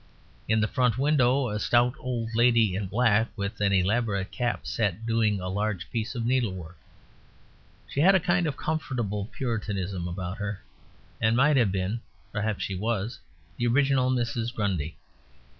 In the front window a stout old lady in black with an elaborate cap sat doing a large piece of needlework. She had a kind of comfortable Puritanism about her; and might have been (perhaps she was) the original Mrs. Grundy.